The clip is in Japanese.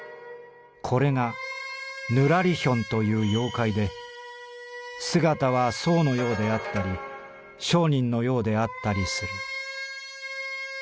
これがぬらりひょんという妖怪で姿は僧のようであったり商人のようであったりする」。